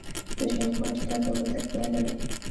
ژوندي موجودات یو بل ته اړتیا لري